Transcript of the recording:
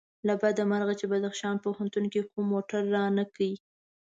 له بده مرغه چې بدخشان پوهنتون کوم موټر رانه کړ.